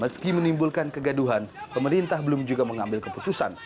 meski menimbulkan kegaduhan pemerintah belum juga mengambil keputusan